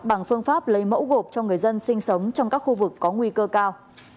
bằng phương pháp lấy mẫu gộp cho người dân sinh sống trong các khu vực có nguy cơ cao